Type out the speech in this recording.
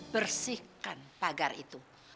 bersihkan pagar itu